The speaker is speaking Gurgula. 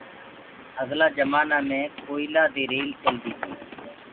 اگلآ جمآنآ مي گوئِيلآ دي ريل گآڏي چلدي تي۔